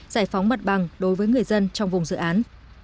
giải phóng mặt bằng đối với người dân trong vùng dự án